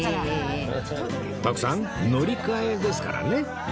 徳さん乗り換えですからね